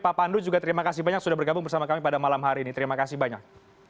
pak pandu juga terima kasih banyak sudah bergabung bersama kami pada malam hari ini terima kasih banyak